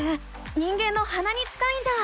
人間のはなに近いんだ！